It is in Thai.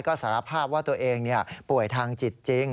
ก็สารภาพว่าตัวเองป่วยทางจิตจริง